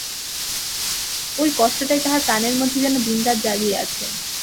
ওই কষ্টটাই তাঁহার প্রাণের মধ্যে যেন দিনরাত জাগিয়া আছে।